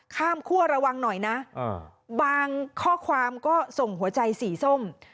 คั่วระวังหน่อยนะบางข้อความก็ส่งหัวใจสีส้ม